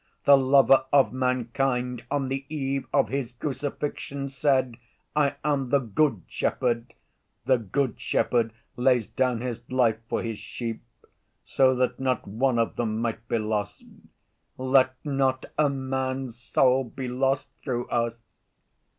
"The Lover of Mankind on the eve of His Crucifixion said: 'I am the Good Shepherd. The good shepherd lays down his life for his sheep, so that not one of them might be lost.' Let not a man's soul be lost through us!